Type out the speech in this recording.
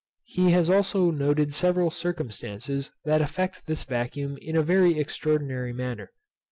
He has also noted several circumstances that affect this vacuum in a very extraordinary manner.